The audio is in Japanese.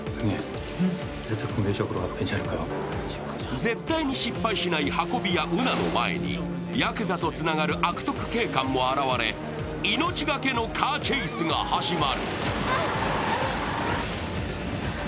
絶対に失敗しない運び屋・ウナの前にやくざとつながる悪徳警官も現れ命がけのカーチェイスが始まる。